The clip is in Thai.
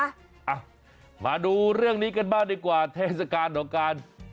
อ่ะมาดูเรื่องนี้กันบ้างดีกว่าเทศกาลของการ